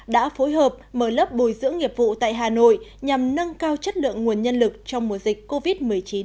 đã phối hợp mở lớp bồi dưỡng nghiệp vụ tại hà nội nhằm nâng cao chất lượng nguồn nhân lực trong mùa dịch covid một mươi chín